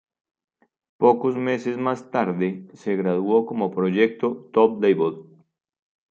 Pocos meses más tarde, se graduó como proyecto "top-level".